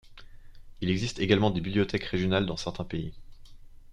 Il existe également des bibliothèques régionales dans certains pays.